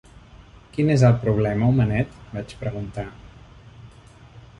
"Quin és el problema, homenet?", vaig preguntar.